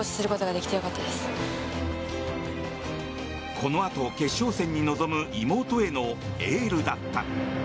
このあと、決勝戦に臨む妹へのエールだった。